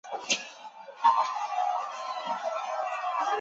可惜在直路发力一般只得第七。